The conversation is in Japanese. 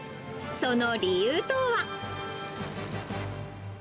その理由とは。